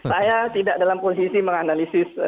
saya tidak dalam posisi menganalisis